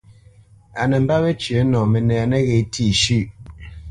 A nə mbə́ wecyə̌ nɔ mənɛ nəghé tî shʉ̂ʼ.